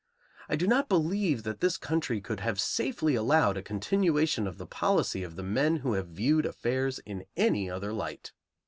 I do not believe that this country could have safely allowed a continuation of the policy of the men who have viewed affairs in any other light.